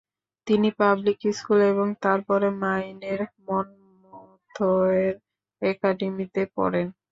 তিনি public school এবং তারপরে মাইনের মনমোথের একাডেমিতে পড়েন।